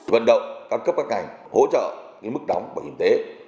vận động các cấp các ngành hỗ trợ mức đóng bảo hiểm y tế